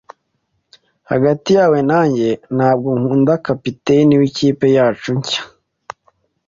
Hagati yawe nanjye, ntabwo nkunda kapiteni wikipe yacu nshya.